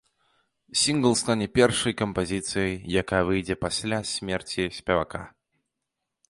Сінгл стане першай кампазіцыяй, якая выйдзе пасля смерці спевака.